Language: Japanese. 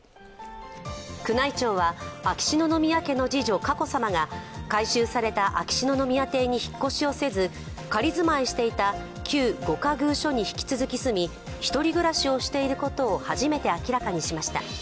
宮内庁は秋篠宮家の次女、佳子さまが改修された秋篠宮邸に引っ越しをせず、仮住まいしていた旧御仮寓所に引き続き住み、１人暮らしをしていることを初めて明らかにしました。